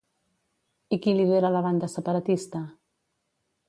I qui lidera la banda separatista?